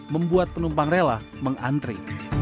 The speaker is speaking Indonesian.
membuat penumpang rela mengantri